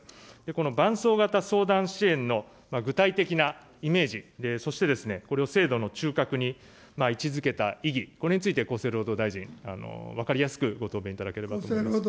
この伴走型相談支援の具体的なイメージ、そしてこれを制度の中核に位置づけた意義、これについて厚生労働大臣、分かりやすくご答弁いただければと思います。